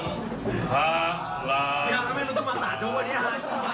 พี่ยาวแล้วไม่รู้ต้องมาสอนทุกวันนี้ห้ะ